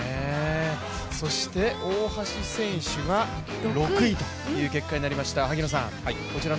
そして大橋選手は、６位という結果になりました。